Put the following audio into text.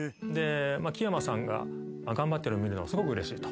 「木山さんが頑張ってるの見るのすごくうれしい」と。